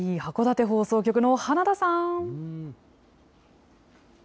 函館放送局の花田さん。